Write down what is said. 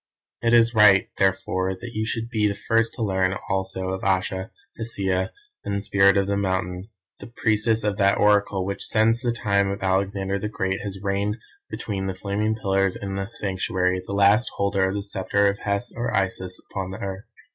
"It is right, therefore, that you should be the first to learn also of Ayesha, Hesea and Spirit of the Mountain, the priestess of that Oracle which since the time of Alexander the Great has reigned between the flaming pillars in the Sanctuary, the last holder of the sceptre of Hes or Isis upon the earth.